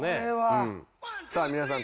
さあ皆さん